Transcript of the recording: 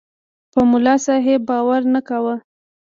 په ملاصاحب باور نه کاوه.